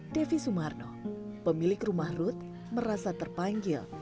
devi sumarno pemilik rumah rut merasa terpanggil